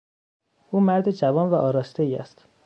او مرد جوان و آراستهای است.